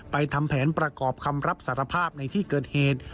ทำแผนประกอบคำรับสารภาพในที่เกิดเหตุ